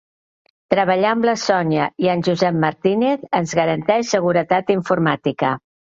Treballar amb la Sònia i en Josep Martínez ens garanteix seguretat informàtica.